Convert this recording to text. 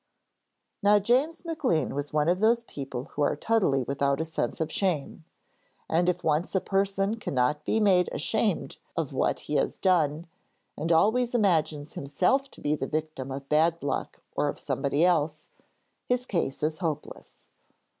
Now James Maclean was one of those people who are totally without a sense of shame, and if once a person cannot be made ashamed of what he has done, and always imagines himself to be the victim of bad luck or of somebody else, his case is hopeless.